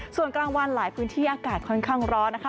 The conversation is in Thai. ส่วนกลางวันหลายพื้นที่อากาศค่อนข้างร้อนนะคะ